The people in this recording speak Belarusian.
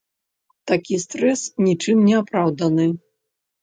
Такі стрэс нічым не апраўданы.